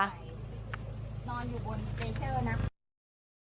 นอนอยู่บนสเปเชอร์นะ